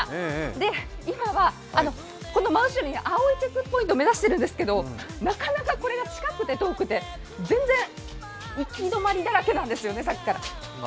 で、今はこの青いチェックポイントを目指してるんですがなかなか近くて遠くて全然行き止まりだらけなんですよね、さっきから。